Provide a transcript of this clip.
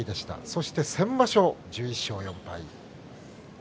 そして先場所１１勝４敗。